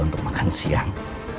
untuk makan siang